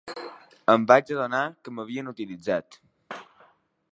Em vaig adonar que m'havien utilitzat.